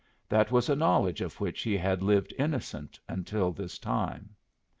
That was a knowledge of which he had lived innocent until this time.